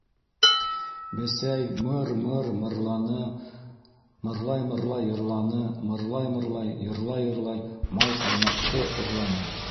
Бесәй мыр-мыр мырланы, Мырлай-мырлай йырланы, Мырлай-мырлай, йырлай-йырлай Май-ҡаймаҡты урланы.